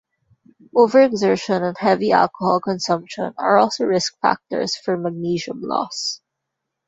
Over-exertion and heavy alcohol consumption are also risk factors for magnesium loss.